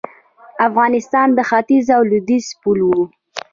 افغانستان د ختیځ او لویدیځ پل و